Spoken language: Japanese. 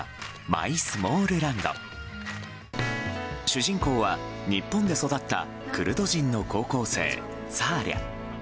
主人公は、日本で育ったクルド人の高校生、サーリャ。